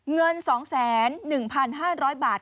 เงิน๒๑๕๐๐บาท